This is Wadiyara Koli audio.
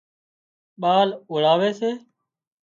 ٻال اوۯاوي سي